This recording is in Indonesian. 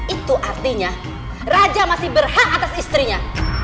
itu artinya raja masih berhak atas istrinya